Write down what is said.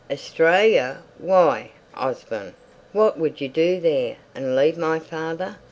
"Australia! Why, Osborne, what could you do there? And leave my father!